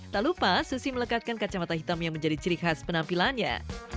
tak lupa susi melekatkan kacamata hitam yang menjadi ciri khas penampilannya